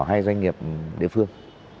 hay doanh nghiệp địa phương